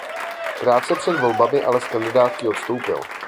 Krátce před volbami ale z kandidátky odstoupil.